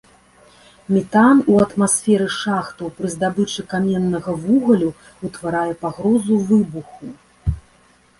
Метан у атмасферы шахтаў пры здабычы каменнага вугалю утварае пагрозу выбуху.